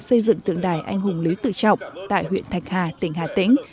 xây dựng tượng đài anh hùng lý tự trọng tại huyện thạch hà tỉnh hà tĩnh